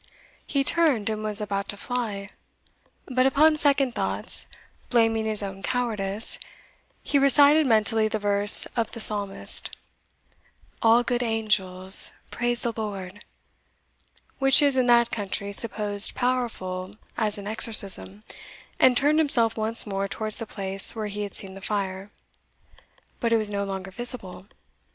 He turned, and was about to fly; but upon second thoughts, blaming his own cowardice, he recited mentally the verse of the Psalmist, "All good angels, praise the Lord!" which is in that country supposed powerful as an exorcism, and turned himself once more towards the place where he had seen the fire. But it was no longer visible.